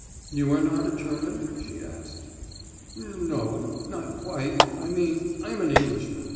»You are not a German?« she asked. »Nnno. Not quite. I mean, I am an Englishman.